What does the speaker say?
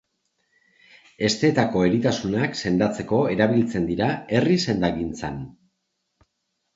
Hesteetako eritasunak sendatzeko erabiltzen dira herri sendagintzan.